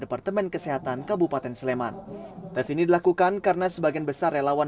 departemen kesehatan kabupaten sleman tes ini dilakukan karena sebagian besar relawan